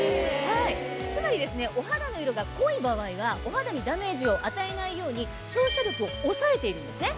つまりお肌の色が濃い場合はお肌にダメージを与えないように照射力を抑えているんですね。